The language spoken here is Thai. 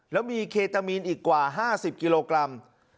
แล้วมีเคตามีนอีกกว่า๕๐กิโลกรัม